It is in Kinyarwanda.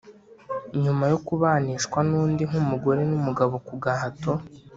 nyuma yo kubanishwa n’undi nk’umugore n’umugabo ku gahato.